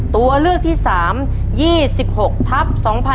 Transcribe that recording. ตัวเลือกที่๓๒๖ทับ๒๕๖๒